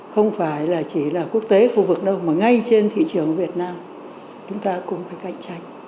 không phải chỉ là quốc tế khu vực đâu mà ngay trên thị trường việt nam chúng ta cũng phải cạnh tranh